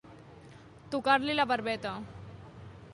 Tocar-li la barbeta.